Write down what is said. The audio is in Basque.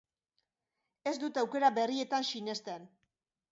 Ez dut aukera berrietan sinesten.